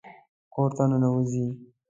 کور ته ننوځئ